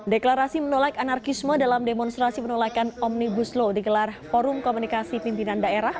deklarasi menolak anarkisme dalam demonstrasi penolakan omnibus law digelar forum komunikasi pimpinan daerah